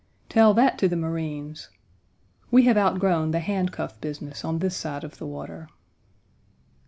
"Tell that to the marines." We have outgrown the handcuff business on this side of the water.